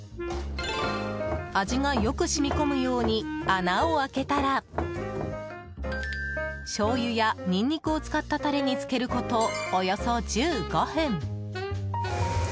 味がよく染み込むように穴を開けたらしょうゆやニンニクを使ったタレに漬けること、およそ１５分。